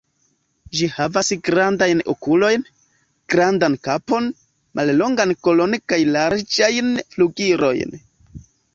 Ĝi havas grandajn okulojn, grandan kapon, mallongan kolon kaj larĝajn flugilojn.